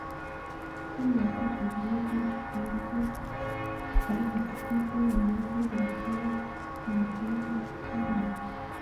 Tom yatakaje ibiro byinshi ku buryo umwe mu ncuti ze yanyuze hejuru ye mu muhanda, atamumenye.